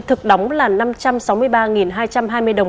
thực đóng là năm trăm sáu mươi ba hai trăm hai mươi đồng